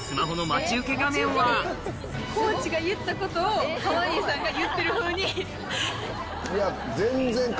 コーチが言ったことを濱家さんが言ってる風に。